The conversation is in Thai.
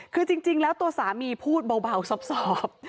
คือจริงแล้วตัวสามีพูดเบาสอบ